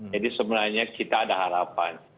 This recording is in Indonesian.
jadi sebenarnya kita ada harapan